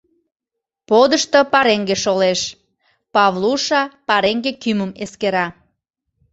подышто пареҥге шолеш; Павлуша пареҥге кӱмым эскера;